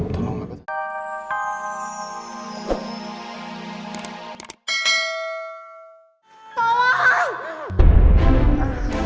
tolong gak betul